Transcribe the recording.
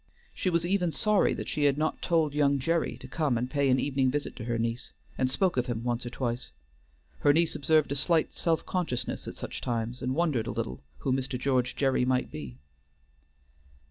She was even sorry that she had not told young Gerry to come and pay an evening visit to her niece, and spoke of him once or twice. Her niece observed a slight self consciousness at such times, and wondered a little who Mr. George Gerry might be.